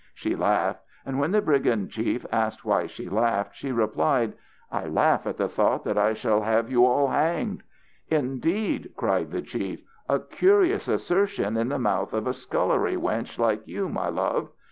She laughed. And when the brigand chief asked why she laughed, she replied: "I laugh at the thought that I shall have you all hanged." "Indeed!" cried the chief, "a curious assertion in the mouth of a scullery wench like you, my love!